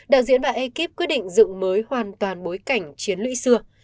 đạo diễn bà ekip quyết định dựng mới hoàn toàn bối cảnh chiến lũy xưa